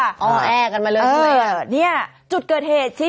ปรากฏว่าสิ่งที่เกิดขึ้นคลิปนี้ฮะ